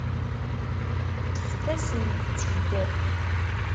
Ṭṭfet-asent-tt-id.